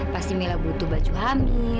pasti mila butuh baju ham